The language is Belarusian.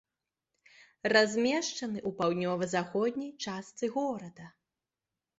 Размешчаны ў паўднёва-заходняй частцы горада.